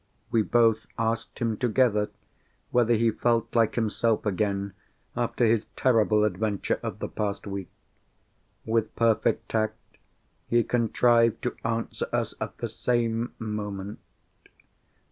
We both asked him together whether he felt like himself again, after his terrible adventure of the past week. With perfect tact, he contrived to answer us at the same moment.